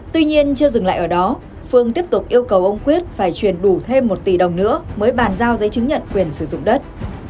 tuy nhiên chưa dừng lại ở đó phương tiếp tục yêu cầu ông quyết phải chuyển đủ thêm một tỷ đồng nữa mới bàn giao giấy chứng nhận quyền sử dụng đất